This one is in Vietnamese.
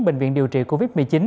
bệnh viện điều trị covid một mươi chín